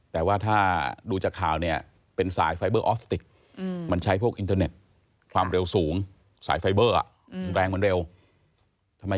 พ่อชาวบ้านมาโพสต์อะไรอย่างนี้